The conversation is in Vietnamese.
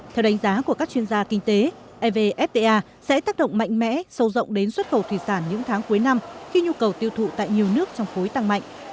theo đánh giá của các chuyên gia kinh tế evfta sẽ tác động mạnh mẽ sâu rộng đến xuất khẩu thủy sản những tháng cuối năm khi nhu cầu tiêu thụ tại nhiều nước trong khối tăng mạnh